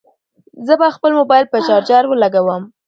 زه به خپل موبایل په چارجر کې ولګوم.